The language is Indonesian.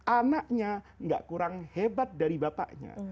anaknya gak kurang hebat dari bapaknya